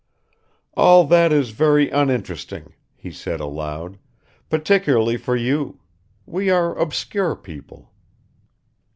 "All that is very uninteresting," he said aloud, "particularly for you. We are obscure people."